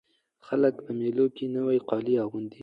خلک په مېلو کښي نوي کالي اغوندي.